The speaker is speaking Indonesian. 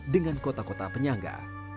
dengan kota kota penyangga